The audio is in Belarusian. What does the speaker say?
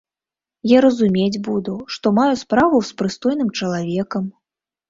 Я разумець буду, што маю справу з прыстойным чалавекам.